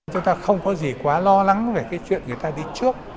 chúng ta không có gì quá lo lắng về cái chuyện người ta đi trước